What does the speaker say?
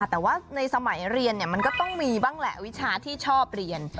แต่ว่าในสมัยเรียนมันก็ต้องมีบ้างแหละวิชาที่ชอบเรียน